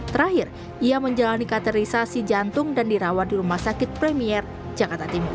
terakhir ia menjalani katerisasi jantung dan dirawat di rumah sakit premier jakarta timur